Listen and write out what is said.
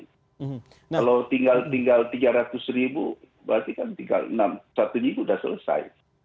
kalau tinggal tiga ratus ribu berarti kan tinggal enam satu sudah selesai